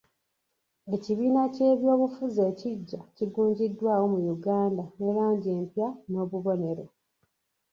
Ekibiina ky'ebyobufuzi ekiggya kigunjiddwawo mu Uganda ne langi empya n'obubonero.